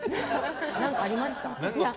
何かありますか？